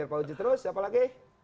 amir kalau gitu terus siapa lagi